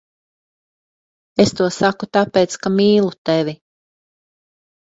Es to saku tāpēc, ka mīlu tevi.